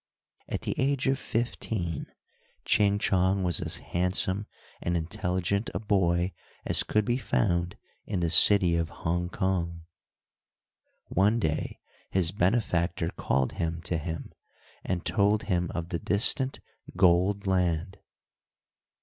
At the age of fifteen, Ching Chong was as handsome and intelligent a boy as could be found in the city of Hong Kong. One day his benefactor called him to him, and told him of the distant gold land.